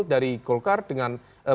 dari golkar erlangga hartarto